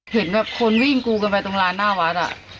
เห็นแบบคนวิ่งกูกันไปตรงร้านหน้าวัด